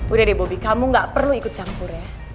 udah deh bobby kamu gak perlu ikut campur ya